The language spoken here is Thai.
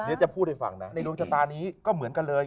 จะพูดให้ฟังนะในดวงชะตานี้ก็เหมือนกันเลย